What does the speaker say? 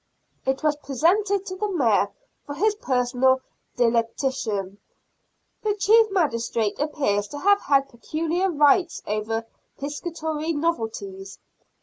It was presented to the Mayor for his personal delectation. The chief magistrate appears to have had peculiar rights over piscatory novelties.